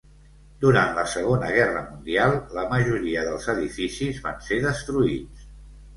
Durant la Segona Guerra Mundial, la majoria dels edificis van ser destruïts.